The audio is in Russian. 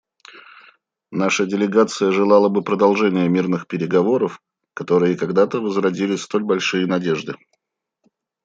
Наша делегация желала бы продолжения мирных переговоров, которые когдато возродили столь большие надежды.